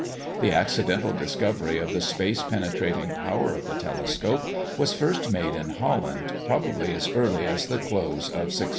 The accidental discovery of the space penetrating power of the telescope was first made in Holland, probably as early as the close of 1608.